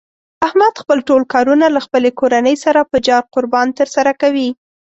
احمد خپل ټول کارونه له خپلې کورنۍ سره په جار قربان تر سره کوي.